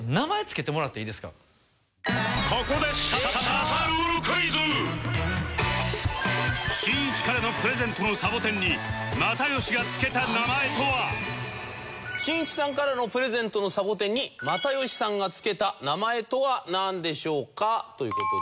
ここでしんいちさんからのプレゼントのサボテンに又吉さんがつけた名前とはなんでしょうか？という事で。